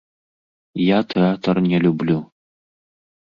Я тэатр не люблю.